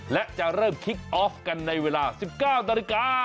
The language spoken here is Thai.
และจะเริ่มคิกออฟกันในเวลา๑๙ตร